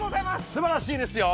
すばらしいですよ。